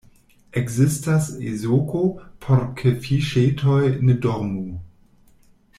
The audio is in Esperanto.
Ekzistas ezoko, por ke fiŝetoj ne dormu.